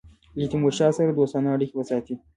له تیمورشاه سره دوستانه اړېکي وساتي.